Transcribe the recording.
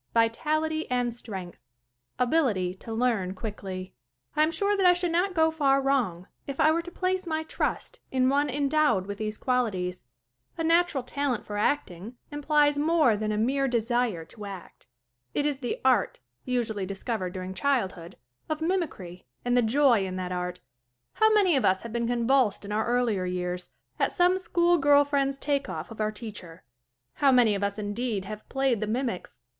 (6) Vitality and strength. (7) Ability to learn quickly. 33 34 SCREEN ACTING I am sure that I should not go far wrong if I were to place my trust in one endowed with these qualities. A natural talent for acting implies more than a mere desire to act. It is the art, usually discovered during childhood, of mim icry, and the joy in that art. How many of us have been convulsed in our earlier years at some school girl friend's take off of our teacher ? How many of us, indeed, have played the mimics ?